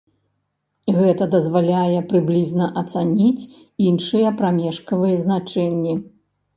Гэта дазваляе прыблізна ацаніць іншыя прамежкавыя значэнні.